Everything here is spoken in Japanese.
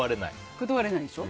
断れないでしょ。